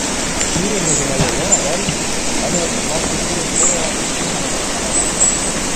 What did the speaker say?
Ширӹмӹжӹ моло яра вӓл, ӓнят, Васли ширен молоат, шӱмжӹ ладна агыл.